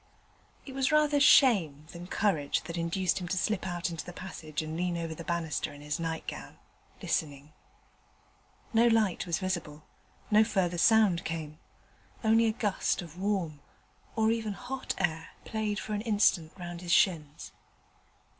It was rather shame than courage that induced him to slip out into the passage and lean over the banister in his nightgown, listening. No light was visible; no further sound came: only a gust of warm, or even hot air played for an instant round his shins.